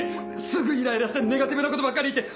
すぐイライラしてネガティブなことばっかり言って。